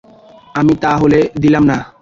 আমি তা হতে দিলাম না।